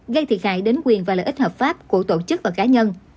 gây thiệt hại đến quyền và lợi ích hợp pháp của tổ chức và cá nhân